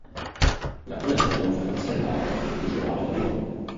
Nakonec potom v Evropském parlamentu už voláme dlouho.